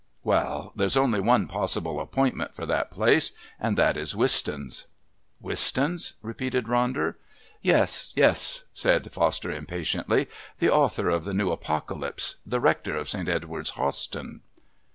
"Well, there's only one possible appointment for that place, and that is Wistons." "Wistons?" repeated Ronder. "Yes, yes," said Foster impatiently, "the author of The New Apocalypse the rector of St. Edward's, Hawston."